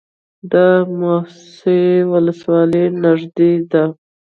د موسهي ولسوالۍ نږدې ده